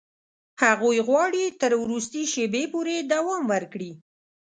هغوی غواړي تر وروستي شېبې پورې دوام ورکړي.